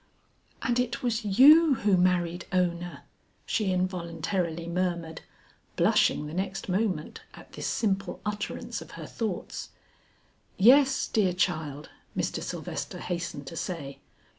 "And it was you who married Ona!" she involuntarily murmured, blushing the next moment at this simple utterance of her thoughts. "Yes, dear child," Mr. Sylvester hastened to say.